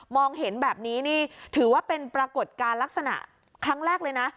เห็นแบบนี้นี่ถือว่าเป็นปรากฏการณ์ลักษณะครั้งแรกเลยนะ